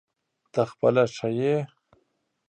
ته خپله ښه یې ؟